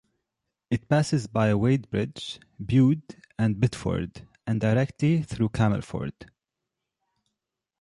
It passes by Wadebridge, Bude and Bideford, and directly through Camelford.